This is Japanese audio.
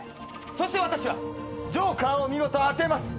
そして私はジョーカーを見事当てます。